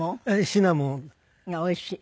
シナモン。がおいしい。